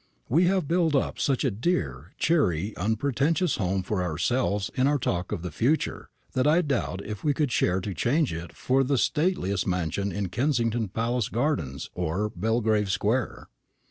We have built up such a dear, cheery, unpretentious home for ourselves in our talk of the future, that I doubt if we should care to change it for the stateliest mansion in Kensington Palace gardens or Belgrave square.